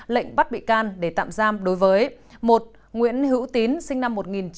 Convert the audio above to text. lệnh bắt bị can để tạm giam đối với một nguyễn hữu tín sinh năm một nghìn chín trăm tám mươi